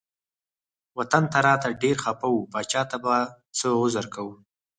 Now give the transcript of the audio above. وطن ته راته ډیر خپه و پاچا ته به څه عذر کوم.